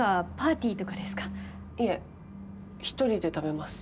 いえ、１人で食べます。